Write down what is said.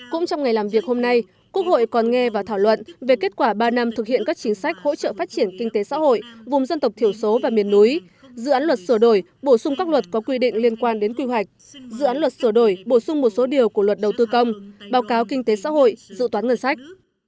cũng trong ngày làm việc hôm nay quốc hội còn nghe và thảo luận về kết quả ba năm thực hiện các chính sách hỗ trợ phát triển kinh tế xã hội vùng dân tộc thiểu số và miền núi dự án luật sửa đổi bổ sung các luật có quy định liên quan đến quy hoạch dự án luật sửa đổi bổ sung một số điều của luật đầu tư công báo cáo kinh tế xã hội dự toán ngân sách